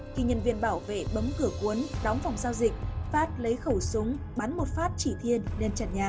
khi nhân viên bảo vệ bấm cửa cuốn đóng phòng giao dịch phát lấy khẩu súng bắn một phát chỉ thiên lên trần nhà